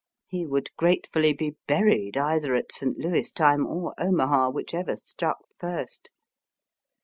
He would gratefully be buried either at St. Louis time or Omaha, whichever struck first.